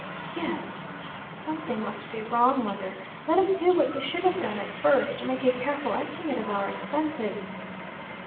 "Yes." "Something must be wrong, mother. Let us do what we should have done at first, make a careful estimate of our expenses."